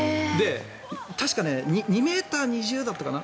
確か、２ｍ２０だったかな。